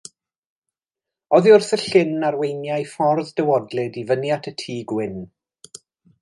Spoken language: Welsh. Oddi wrth y llyn arweiniai ffordd dywodlyd i fyny at y tŷ gwyn.